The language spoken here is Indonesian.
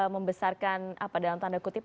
membesarkan apa dalam tanda kutip